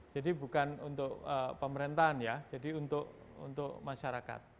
jadi bukan untuk pemerintahan ya jadi untuk masyarakat